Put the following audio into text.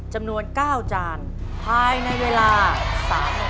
จำนวน๙จานภายในเวลา๓นาที